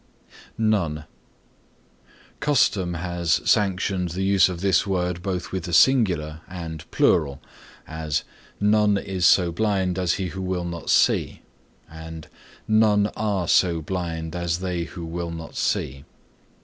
NONE Custom Has sanctioned the use of this word both with a singular and plural; as "None is so blind as he who will not see" and "None are so blind as they who will not see."